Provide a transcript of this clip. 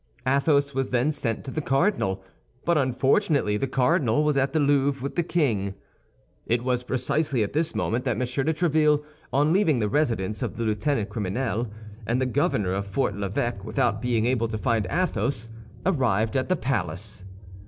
Athos was then sent to the cardinal; but unfortunately the cardinal was at the Louvre with the king. It was precisely at this moment that M. de Tréville, on leaving the residence of the lieutenant criminel and the governor of Fort l'Evêque without being able to find Athos, arrived at the palace.